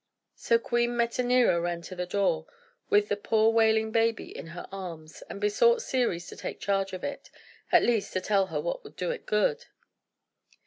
So Queen Metanira ran to the door, with the poor wailing baby in her arms, and besought Ceres to take charge of it, or, at least, to tell her what would do it good.